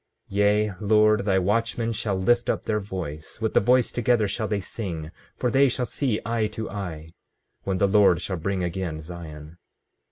15:29 Yea, Lord, thy watchmen shall lift up their voice; with the voice together shall they sing; for they shall see eye to eye, when the Lord shall bring again Zion.